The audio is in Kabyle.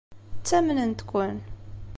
Ttamnent-ken.